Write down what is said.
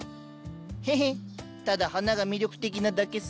ヘヘッただ花が魅力的なだけさ。